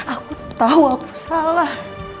aku tau aku salah